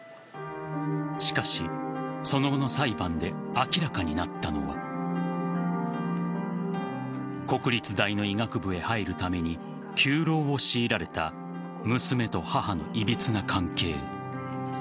しかし、その後の裁判で明らかになったのは国立大の医学部へ入るために９浪を強いられた娘と母のいびつな関係。